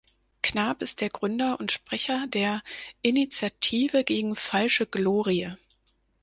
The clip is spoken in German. Knab ist der Gründer und Sprecher der „Initiative gegen falsche Glorie“.